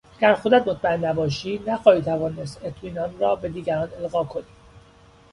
اگر خودت مطمئن نباشی نخواهی توانست اطمینان را به دیگران القا کنی.